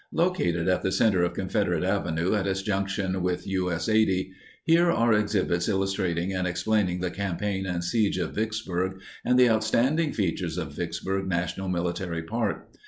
Located at the center of Confederate Avenue, at its junction with U. S. 80. Here are exhibits illustrating and explaining the campaign and siege of Vicksburg and the outstanding features of Vicksburg National Military Park.